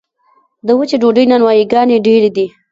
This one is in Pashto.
د وچې ډوډۍ نانوایي ګانې ډیرې دي